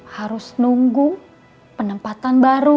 harus nunggu penempatan baru